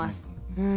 うん。